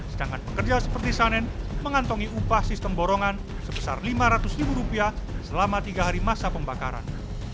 sedangkan pekerja seperti sanen mengantongi upah sistem borongan sebesar lima ratus ribu rupiah selama tiga hari masa pembakaran